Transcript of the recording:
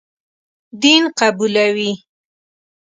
دین قبولوي.